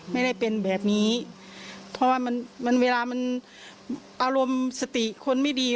ไม่ได้เป็นแบบนี้เพราะว่ามันมันเวลามันอารมณ์สติคนไม่ดี